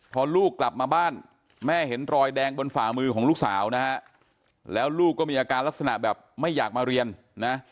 พอลูกกลับมาบ้านแม่เห็นรอยแดงบนฝ่ามือของลูกสาวนะฮะแล้วลูกก็มีอาการลักษณะแบบไม่อยากมาเรียนนะ